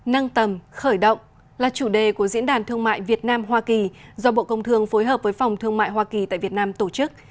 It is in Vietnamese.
nâng tầm khởi động là chủ đề của diễn đàn thương mại việt nam hoa kỳ do bộ công thương phối hợp với phòng thương mại hoa kỳ tại việt nam tổ chức